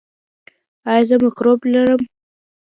ایا زه مکروب لرم؟